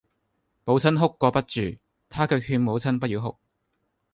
母親哭個不住，他卻勸母親不要哭；